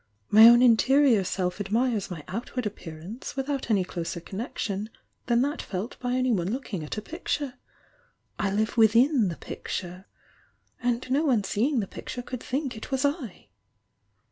My own interior self admires my outward appear ance without any closer connection than that felt by anyone looking at a picture. I live within the picture — and no one seeing the picture could think it was I!"